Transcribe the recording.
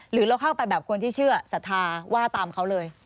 หรือเราเข้าไปแบบคนที่เชื่อศรัทธาว่าตามเขาเลย